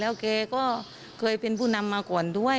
แล้วแกก็เคยเป็นผู้นำมาก่อนด้วย